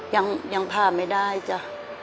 ยังผ่าไม่ได้จ้ะ